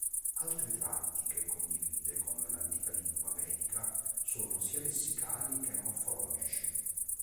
Altri tratti che condivide con l'antica lingua vedica sono sia lessicali che morfologici.